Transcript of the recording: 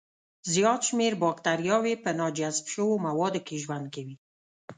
زیات شمېر بکتریاوي په ناجذب شوو موادو کې ژوند کوي.